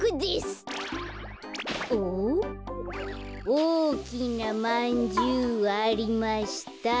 「おおきなまんじゅうありました」